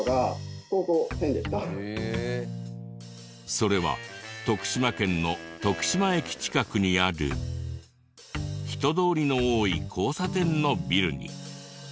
それは徳島県の徳島駅近くにある人通りの多い交差点のビルに。